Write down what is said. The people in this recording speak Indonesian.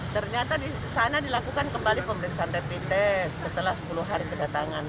ternyata di sana dilakukan kembali pemeriksaan rapid test setelah sepuluh hari kedatangan